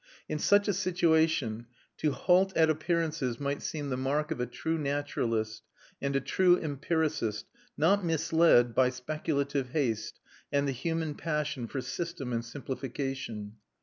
In such a situation, to halt at appearances might seem the mark of a true naturalist and a true empiricist not misled by speculative haste and the human passion for system and simplification.